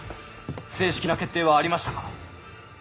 正式な決定はありましたか？